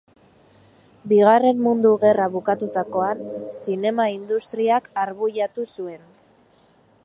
Bigarren Mundu Gerra bukatutakoan, zinema industriak arbuiatu zuen.